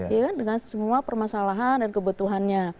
ya kan dengan semua permasalahan dan kebutuhannya